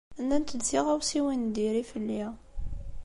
Nnant-d tiɣawsiwin n diri fell-i.